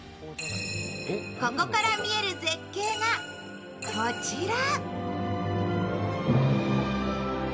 ここから見える絶景がこちら。